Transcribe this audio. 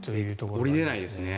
下りれないですね。